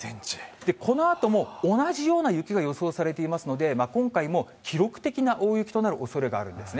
このあとも同じような雪が予想されていますので、今回も記録的な大雪となるおそれがあるんですね。